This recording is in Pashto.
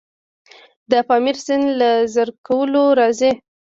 د پامیر سیند له زرکول راځي